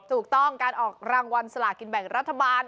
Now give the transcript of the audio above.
ถูกต้องการออกรางวัลสลากินแบ่งรัฐบาล